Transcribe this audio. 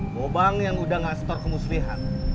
gobang yang udah ngastor kemuslihan